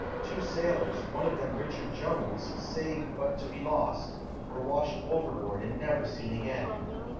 Two sailors, one of them Richard Jones, saved but to be lost, were washed overboard and never seen again.